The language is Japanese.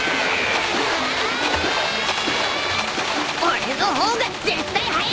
俺の方が絶対速え！